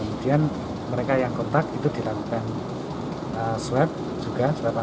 kemudian mereka yang kontak itu dilakukan swab juga